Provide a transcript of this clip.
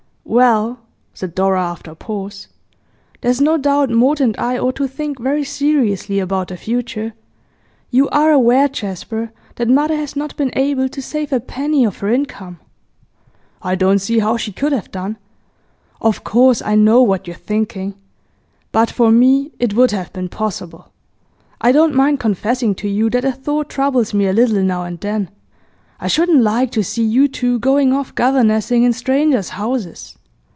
'Well,' said Dora, after a pause, 'there's no doubt Maud and I ought to think very seriously about the future. You are aware, Jasper, that mother has not been able to save a penny of her income.' 'I don't see how she could have done. Of course I know what you're thinking; but for me, it would have been possible. I don't mind confessing to you that the thought troubles me a little now and then; I shouldn't like to see you two going off governessing in strangers' houses.